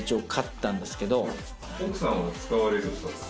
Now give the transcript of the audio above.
奥さんも使われるんですか？